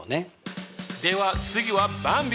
では次はばんび。